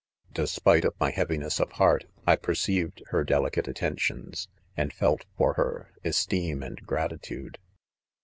„ s Despite .of my heaviness of heart I perceived her delicate attentions, and felt for her, esteem and gratitude.